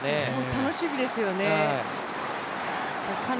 楽しみですよね。